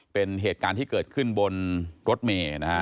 เป็นเหตุการณ์ที่เกิดขึ้นบนรถเมย์นะฮะ